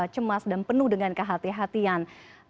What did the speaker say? cemas dan penuh dengan kehati hatian